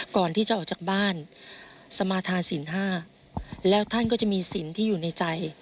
ก่อนที่จะออกจากบ้านสมาธาสิน๕แล้วท่านก็จะมีสินที่อยู่ในใจ